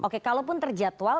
oke kalau pun terjatual